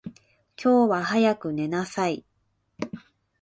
今日は早く寝なさい。